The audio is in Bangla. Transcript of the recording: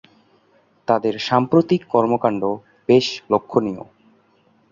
তাদের সাম্প্রতিক কর্মকাণ্ড বেশ লক্ষণীয়।